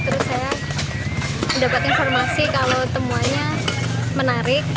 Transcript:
terus saya mendapat informasi kalau temuannya menarik